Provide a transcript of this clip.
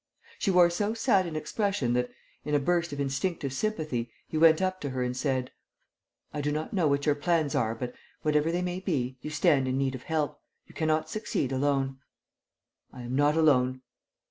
She wore so sad an expression that, in a burst of instinctive sympathy, he went up to her and said: "I do not know what your plans are, but, whatever they may be, you stand in need of help. You cannot succeed alone." "I am not alone."